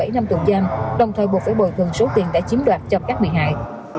một mươi bảy năm tù giam đồng thời buộc phải bồi gần số tiền đã chiếm đoạt cho các bị hại